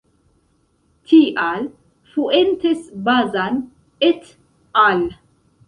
Tial Fuentes-Bazan et al.